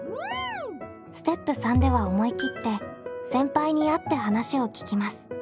ステップ３では思い切って先輩に会って話を聞きます。